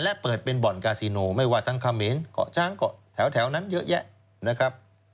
และเปิดเป็นบ่อนกาซิโนไม่ว่าทั้งเขมรเกาะช้างเกาะแถวนั้นเยอะแยะนะครับ